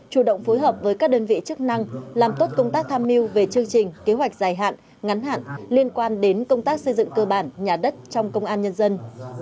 chủ động phối hợp với các đơn vị chức năng làm tốt công tác tham mưu về chương trình kế hoạch dài hạn ngắn hạn liên quan đến công tác xây dựng cơ bản nhà đất trong công an nhân dân